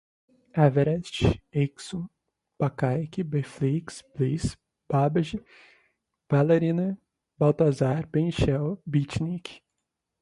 averest, axum, bacaic, beflix, bliss, babbage, ballerina, baltazar, beanshell, beatnik